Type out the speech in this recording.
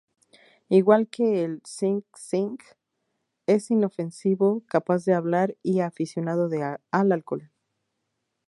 Igual que el "hsing-hsing", es inofensivo, capaz de hablar y aficionado al alcohol.